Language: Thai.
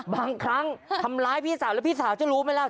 บางครั้งทำร้ายพี่สาวแล้วพี่สาวจะรู้ไหมล่ะ